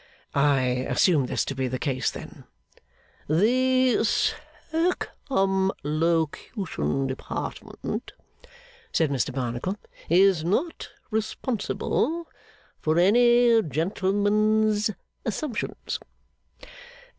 'I assume this to be the case, then.' 'The Circumlocution Department,' said Mr Barnacle, 'is not responsible for any gentleman's assumptions.